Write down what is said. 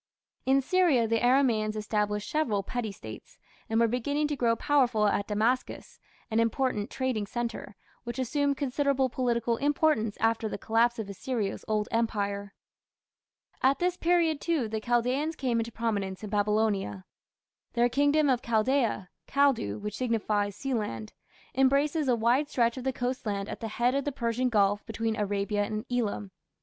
In Syria the Aramaeans established several petty States, and were beginning to grow powerful at Damascus, an important trading centre, which assumed considerable political importance after the collapse of Assyria's Old Empire. At this period, too, the Chaldaeans came into prominence in Babylonia. Their kingdom of Chaldaea (Kaldu, which signifies Sealand) embraces a wide stretch of the coast land at the head of the Persian Gulf between Arabia and Elam.